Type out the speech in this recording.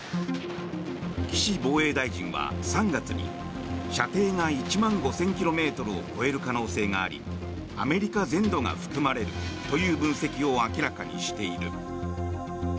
岸防衛大臣は３月に射程が１万５０００ｋｍを超える可能性がありアメリカ全土が含まれるという分析を明らかにしている。